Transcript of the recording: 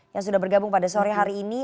yang sudah bergabung pada sore hari ini